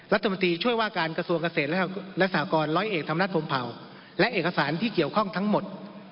รัฐมนตรีช่วยว่าการกระทรวงเกษตรและสหกรร้อยเอกธรรมรัฐพรมเผาและเอกสารที่เกี่ยวข้องทั้งหมด